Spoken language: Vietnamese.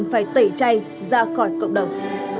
và cần phải tẩy chay ra khỏi cộng đồng